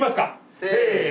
せの！